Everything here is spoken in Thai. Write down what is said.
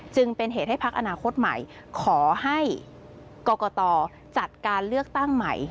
จึงเป็นเหตุให้พักอนาคตใหม่ขอให้กรกตจัดการเลือกตั้งใหม่